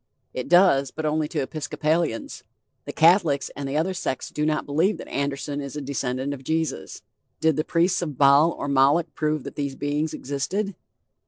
It does, but only to Episcopalians. The Catholics and the other sects do not believe that Anderson is a descendant of Jesus. Did the priests of Baal or Moloch prove that these beings existed?